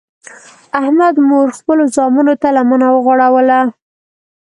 د احمد مور خپلو زمنو ته لمنه وغوړوله.